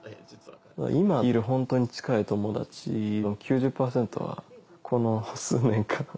今いるホントに近い友達の９０％はこの数年間。